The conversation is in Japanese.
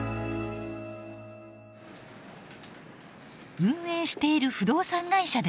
運営している不動産会社です。